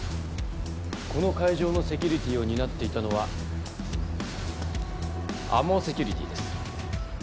この会場のセキュリティーを担っていたのはＡＭＯセキュリティーです。